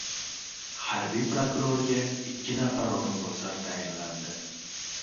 Harbiy prokurorga ikki nafar o‘rinbosar tayinlandi